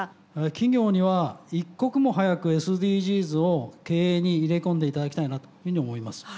企業には一刻も早くＳＤＧｓを経営に入れ込んでいただきたいなというふうに思います。